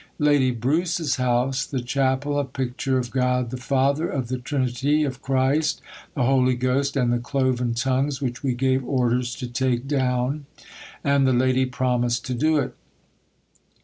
"Lady Bruce's house, the chapel, a picture of God the Father, of the Trinity, of Christ, the Holy Ghost, and the cloven tongues, which we gave orders to take down, and the lady promised to do it."